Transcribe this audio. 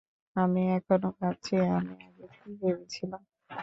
আমি এখনো ভাবছি আমি আগে কি ভেবেছিলাম।